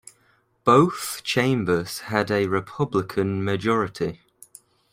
Both chambers had a Republican majority.